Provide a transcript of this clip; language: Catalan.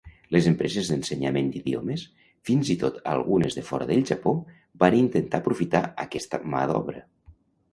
Les empreses d'ensenyament d'idiomes, fins i tot algunes de fora del Japó, van intentar aprofitar aquesta mà d'obra.